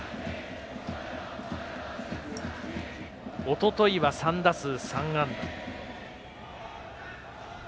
おとといは３打数３安打。